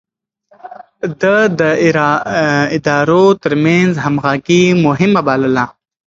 ده د ادارو ترمنځ همغږي مهمه بلله.